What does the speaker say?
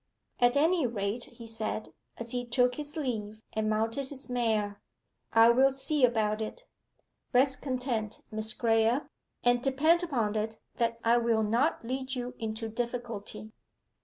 'At any rate,' he said, as he took his leave and mounted his mare, 'I will see about it. Rest content, Miss Graye, and depend upon it that I will not lead you into difficulty.